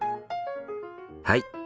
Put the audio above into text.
はい。